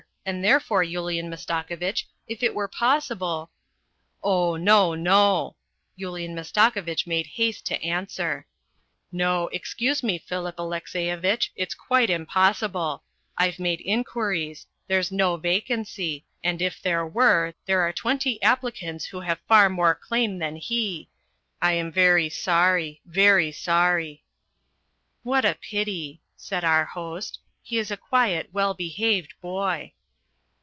. and therefore, Yulian Masta kovitch, if it were possible ..."" Oh, no, no !" Yulian Mastakovitch made haste to answer; " no, excuse me, Filip Alexyevitch, it's quite impossible. I've 206 A CHRISTMAS TREE AND A WEDDING made inquiries; there's no vacancy, and if there were, there are twenty applicants who have far more claim than he. ... I am very sorry, very sorry. ..."" What a pity," said our host. " He is a quiet, well behaved boy."